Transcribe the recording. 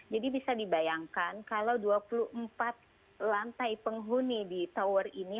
jadi bisa dibayangkan kalau dua puluh empat lantai penghuni di tower ini